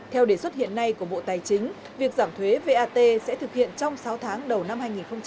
theo đề xuất hiện nay của bộ tài chính việc giảm thuế vat sẽ thực hiện trong sáu tháng đầu năm hai nghìn hai mươi